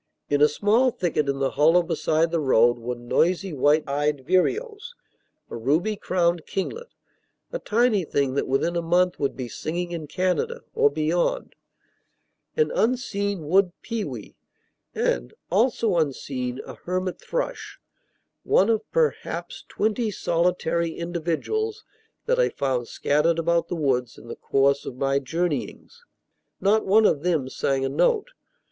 In a small thicket in the hollow beside the road were noisy white eyed vireos, a ruby crowned kinglet, a tiny thing that within a month would be singing in Canada, or beyond, an unseen wood pewee, and (also unseen) a hermit thrush, one of perhaps twenty solitary individuals that I found scattered about the woods in the course of my journeyings. Not one of them sang a note.